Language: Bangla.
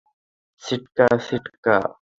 সিটকা, সিটকা!